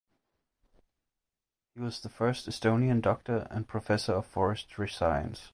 He was the first Estonian doctor and professor of forestry science.